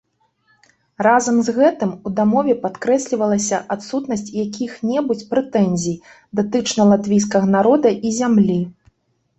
Разам з гэтым, у дамове падкрэслівалася адсутнасць якіх-небудзь прэтэнзій датычна латвійскага народа і зямлі.